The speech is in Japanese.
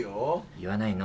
言わないの。